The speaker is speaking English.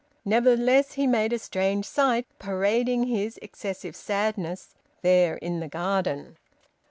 Nevertheless he made a strange sight, parading his excessive sadness there in the garden.